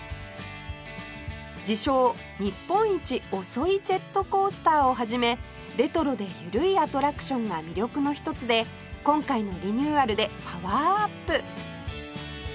自称日本一遅いジェットコースターをはじめレトロで緩いアトラクションが魅力の一つで今回のリニューアルでパワーアップ